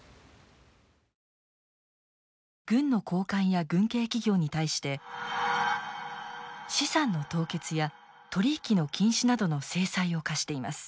軍の高官や軍系企業に対して資産の凍結や取り引きの禁止などの制裁を科しています。